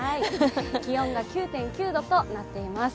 気温が９．９度となっています。